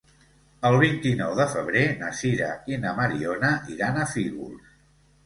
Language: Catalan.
El vint-i-nou de febrer na Sira i na Mariona iran a Fígols.